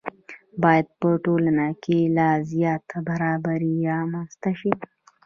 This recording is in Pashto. باید په ټولنه کې لا زیاته برابري رامنځته شي.